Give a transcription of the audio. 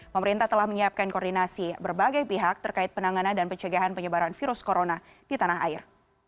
pemerintah telah menyiapkan koordinasi berbagai pihak terkait penanganan dan pencegahan penyebaran virus corona di tanah air